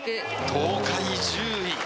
東海１０位。